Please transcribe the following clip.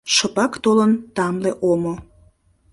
Шыпак толын тамле омо